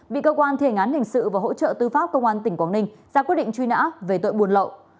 bị cơ quan thi hành án hình sự và hỗ trợ tư pháp công an tỉnh quảng ninh ra quyết định truy nã về tội buôn lậu